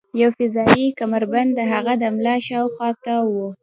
یو فضايي کمربند د هغه د ملا شاوخوا تاو و